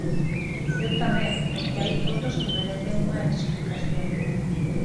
Eu tamén, porque hai fotos que merecen unha explicación.